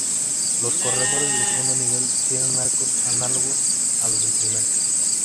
Los corredores del segundo nivel, tienen arcos análogos a los del primero.